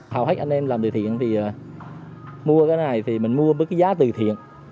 hầu hết anh em làm từ thiện thì mua cái này thì mình mua với cái giá từ thiện